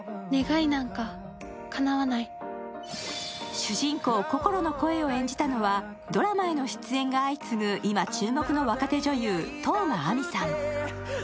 主人公・こころの声を演じたのはドラマへの出演が相次ぐ今、注目の若手女優、當真あみさん。